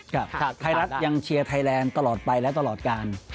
ไทยรัฐยังเชียร์ไทยแลนด์ตลอดไปและตลอดการ